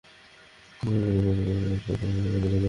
মৃদু গতিতে কথা বলতে বলতে ত্বরিতগতিতে সবাইকে বোকা বানিয়ে ফেলতে হবে।